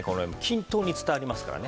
均等に伝わりますからね。